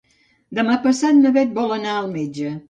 Demà passat na Beth vol anar al metge.